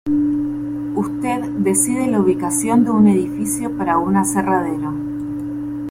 Usted decide la ubicación de un edificio para un aserradero.